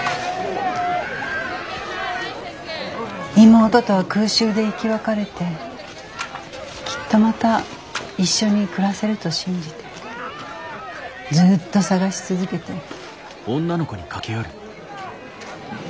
妹と空襲で生き別れてきっとまた一緒に暮らせると信じてずっと捜し続けて。とも！